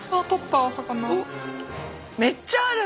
めっちゃある。